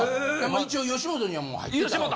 一応吉本にはもう入ってたんや。